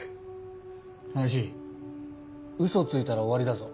林ウソついたら終わりだぞ。